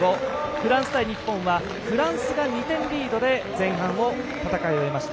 フランス対日本はフランスが２点リードで前半を戦い終えました。